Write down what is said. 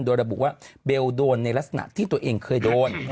โดยระบุว่าเบลโดนในลักษณะที่ตัวเองเคยโดน